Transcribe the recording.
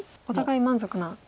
お互い満足な。